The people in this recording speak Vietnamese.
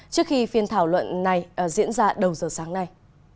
trước khi phiên thảo luận này diễn ra đầu giờ sáng nay